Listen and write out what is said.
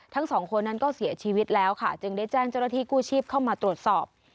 ทั้งสองคนนั้นก็เสียชีวิตแล้วค่ะจึงได้แจ้งเจ้าหน้าที่กู้ชีพเข้ามาตรวจสอบ